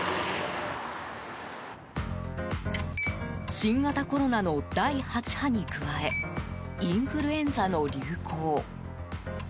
新型コロナの第８波に加えインフルエンザの流行。